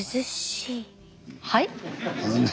はい？